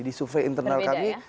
di survei internal kami